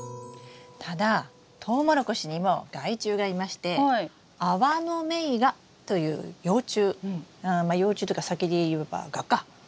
ただトウモロコシにも害虫がいましてアワノメイガという幼虫まあ幼虫というか先に言えば蛾か。